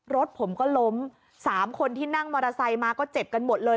รถผมก็ล้ม๓คนที่นั่งมอเตอร์ไซค์มาก็เจ็บกันหมดเลย